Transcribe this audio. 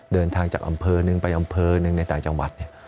เดินทางจากอำเภอหนึ่งไปอำเภอหนึ่งในต่างจังหวัดเนี่ย